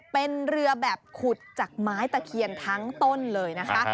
เป็นเรือแบบขุดจากไม้ตะเคียนทั้งต้นเลยนะคะ